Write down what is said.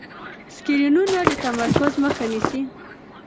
سکرینونه د تمرکز مخه نیسي.